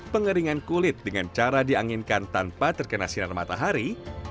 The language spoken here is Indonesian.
pengeringan kulit dengan cara dianginkan tanpa terkena sinar matahari